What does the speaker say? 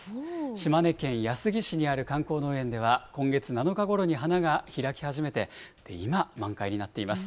島根県安来市にある観光農園では今月７日ごろに花が開き始めて、今、満開になっています。